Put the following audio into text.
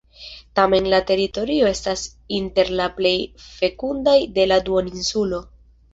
Tamen la teritorio estas inter la plej fekundaj de la duoninsulo.